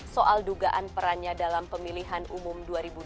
soal dugaan perannya dalam pemilihan umum dua ribu dua puluh